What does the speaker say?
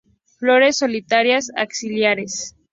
Flores solitarias axilares.